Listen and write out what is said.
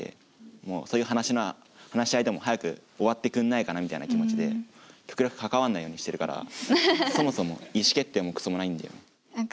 もうそういう話話し合いでも早く終わってくんないかなみたいな気持ちで極力関わんないようにしてるからそもそも意思決定もクソもないんだよね。